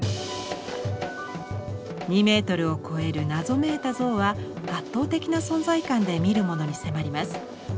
２ｍを超える謎めいた像は圧倒的な存在感で見る者に迫ります。